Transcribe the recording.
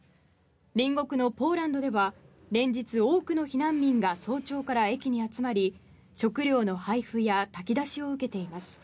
隣国のポーランドでは連日、多くの避難民が早朝から駅に集まり食料の配布や炊き出しを受けています。